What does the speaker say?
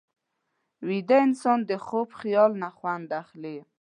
ویده انسان د خوب خیال نه خوند اخلي